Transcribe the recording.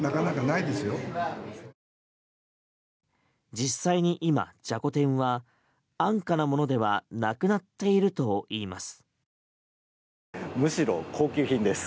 実際に今、じゃこ天は安価なものではなくなっているといいます。